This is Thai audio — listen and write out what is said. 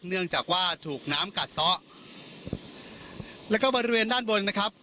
เนื่องจากว่าถูกน้ำกัดซะแล้วก็บริเวณด้านบนนะครับ